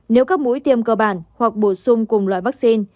nếu các mũi tiêm cơ bản hoặc bổ sung cùng loại vaccine